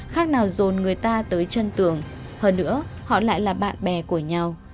khác nào dồn người ta tới chân tường hơn nữa họ lại là bạn bè của nhau